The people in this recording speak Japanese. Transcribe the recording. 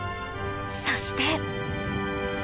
そして。